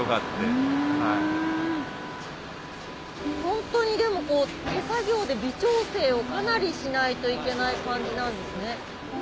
ホントに手作業で微調整をかなりしないといけない感じなんですね。